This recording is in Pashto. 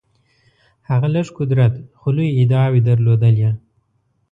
هغه لږ قدرت خو لویې ادعاوې درلودلې.